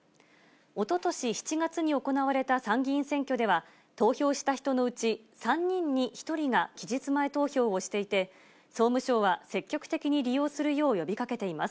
おととし７月に行われた参議院選挙では、投票した人のうち３人に１人が期日前投票をしていて、総務省は積極的に利用するよう呼びかけています。